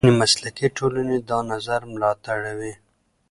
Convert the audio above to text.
ځینې مسلکي ټولنې دا نظر ملاتړوي.